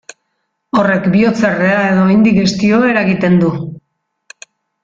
Horrek bihotzerrea edo indigestioa eragiten du.